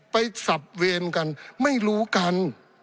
สับเวรกันไม่รู้กัน